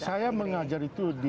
ya saya mengajar itu di inggris